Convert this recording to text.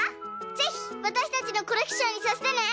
ぜひわたしたちのコレクションにさせてね！